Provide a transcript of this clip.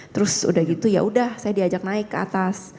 terus udah gitu yaudah saya diajak naik ke atas